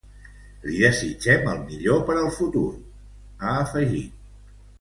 “Li desitgem el millor per al futur”, ha afegit.